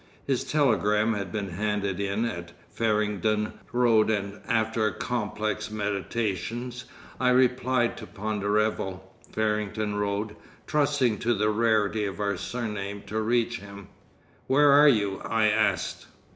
His telegram had been handed in at Farringdon Road, and after complex meditations I replied to Ponderevo, Farringdon Road, trusting to the rarity of our surname to reach him. "Where are you?" I asked.